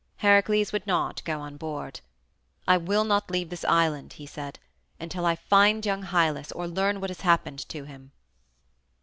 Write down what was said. Heracles would not go on board. "I will not leave this island," he said, "until I find young Hylas or learn what has happened to him."